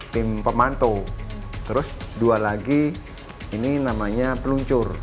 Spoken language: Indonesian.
tim pemantau terus dua lagi ini namanya peluncur